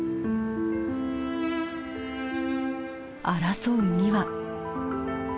争う２羽。